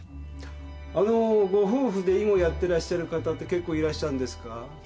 あのーご夫婦で囲碁やってらっしゃる方って結構いらっしゃるんですか？